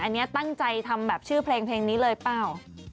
อันนี้ตั้งใจทำแบบชื่อเพลงนี้เลยเปล่า